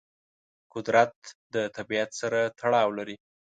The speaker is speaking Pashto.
قدرت د طبیعت سره تړاو لري.